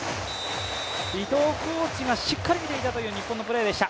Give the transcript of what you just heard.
コーチがしっかり見ていたという日本でした。